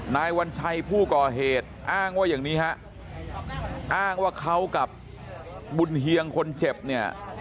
นายวัญชัยผู้ก่อเหตุอ้างว่าอย่างนี้ฮะอ้างว่าเขากับบุญเฮียงคนเจ็บเนี่ย